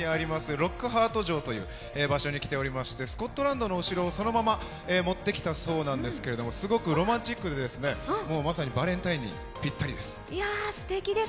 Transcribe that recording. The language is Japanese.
ロックハート城という場所に来ておりましてスコットランドのお城をそのまま持ってきたそうなんですけどすごくロマンチックで、まさにバレンタインにピッタリです。